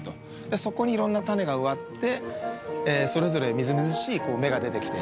そこにいろんな種が植わってそれぞれみずみずしい芽が出てきて。